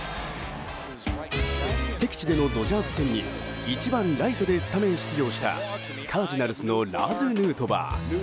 敵地でのドジャース戦に１番ライトでスタメン出場したカージナルスのラーズ・ヌートバー。